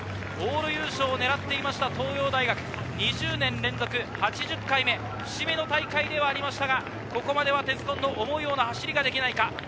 往路優勝を狙っていた東洋大学、２０年連続８０回目、節目の大会でしたが、ここまで鉄紺の思うような走りができないか。